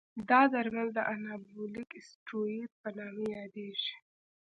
دا درمل د انابولیک استروئید په نامه یادېږي.